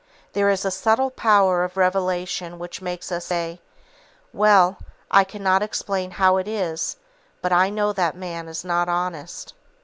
There is a subtle power of revelation which makes us say: "Well, I cannot explain how it is, but I know that man is not honest."